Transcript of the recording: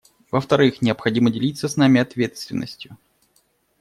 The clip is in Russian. Во-вторых, необходимо делиться с нами ответственностью.